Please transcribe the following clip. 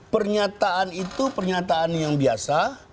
pernyataan itu pernyataan yang biasa